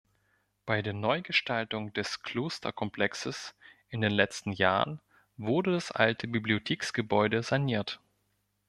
Bei der Neugestaltung des Klosterkomplexes in den letzten Jahren wurde das alte Bibliotheksgebäude saniert.